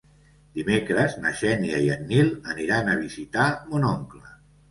Dimecres na Xènia i en Nil aniran a visitar mon oncle.